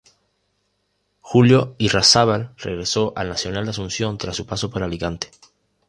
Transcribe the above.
Julio Irrazábal regresó al Nacional de Asunción tras su paso por Alicante.